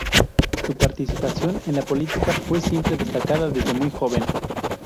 Su participación en la política fue siempre destacada desde muy joven.